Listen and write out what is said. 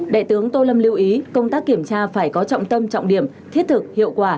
đại tướng tô lâm lưu ý công tác kiểm tra phải có trọng tâm trọng điểm thiết thực hiệu quả